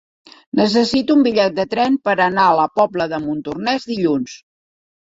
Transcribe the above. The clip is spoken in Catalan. Necessito un bitllet de tren per anar a la Pobla de Montornès dilluns.